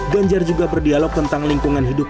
ganjar juga berdialog tentang lingkungan hidup